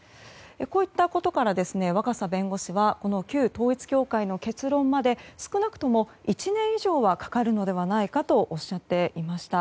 こういったことから若狭弁護士は旧統一教会の結論まで少なくとも１年以上はかかるのではないかとおっしゃっていました。